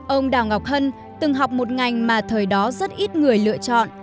ông đào ngọc hân từng học một ngành mà thời đó rất ít người lựa chọn